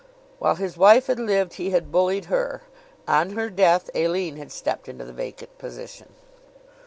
While his wife had lived he had bullied her. On her death Aline had stepped into the vacant position.